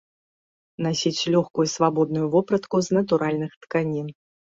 Насіць лёгкую і свабодную вопратку з натуральных тканін.